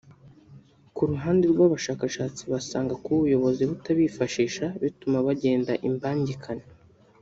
Ku ruhande rw’abashakashatsi basanga kuba ubuyobozi butabifashisha bituma bagenda imbangikane